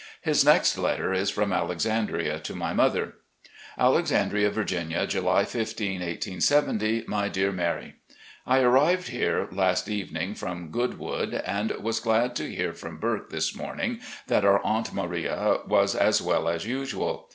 His next letter is from Alexandria to my mother: "Alexandria, Virginia, July 15, 1870. "My Dear Mary: I arrived here last evening from Goodwood, and was glad to hear from Burke this morning that our Aunt Maria was as well as usual.